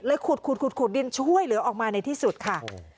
ขุดขุดดินช่วยเหลือออกมาในที่สุดค่ะ